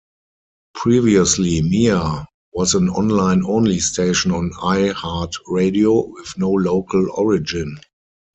Previously, Mia was an online-only station on iHeartRadio with no local origin.